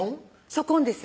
初婚です